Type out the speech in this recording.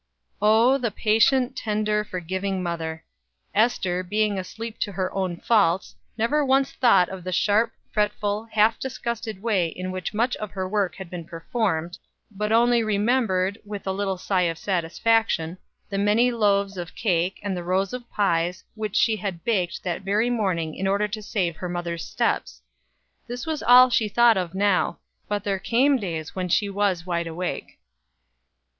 Oh, the patient, tender, forgiving mother! Ester, being asleep to her own faults, never once thought of the sharp, fretful, half disgusted way in which much of her work had been performed, but only remembered, with a little sigh of satisfaction, the many loaves of cake, and the rows of pies, which she had baked that very morning in order to save her mother's steps. This was all she thought of now, but there came days when she was wide awake.